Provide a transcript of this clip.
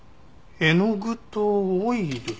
絵の具とオイル？